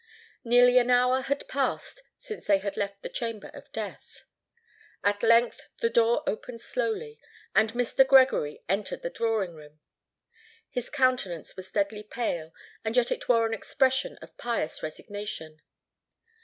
Nearly an hour had passed since they had left the chamber of death. At length the door opened slowly, and Mr. Gregory entered the drawing room. His countenance was deadly pale; and yet it wore an expression of pious resignation.